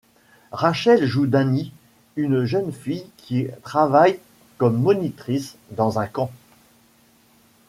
Rachel joue Dani, une jeune fille qui travaille comme monitrice dans un camp.